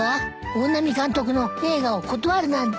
大波監督の映画を断るなんて。